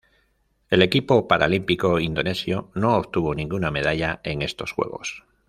El equipo paralímpico indonesio no obtuvo ninguna medalla en estos Juegos.